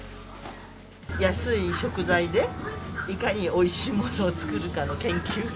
安い食材で、いかにおいしいものを作るかの研究。